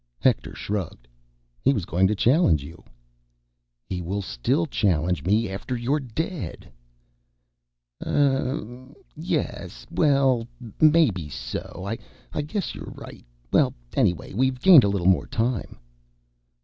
Hector shrugged. "He was going to challenge you—" "He will still challenge me, after you're dead." "Uu m m, yes, well, maybe so. I guess you're right—Well, anyway, we've gained a little more time."